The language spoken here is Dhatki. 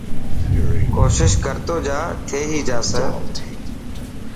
ڪوشش ڪرتو جا ٿي هي باسي.